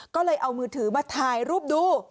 ก็เลยเอามือถือมาถ่ายรูปดู